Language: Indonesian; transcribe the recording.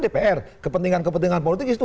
dpr kepentingan kepentingan politik